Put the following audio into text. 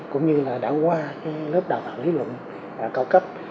cũng như là đã qua cái lớp đào tạo lý luận cao cấp